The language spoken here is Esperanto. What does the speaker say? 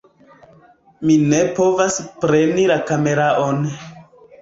Mi ne povas preni la kameraon